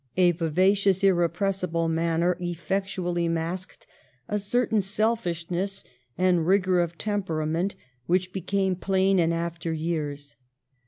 A vivacious, impressible manner effectu ally masked a certain selfishness and rigor of temperament which became plain in after years.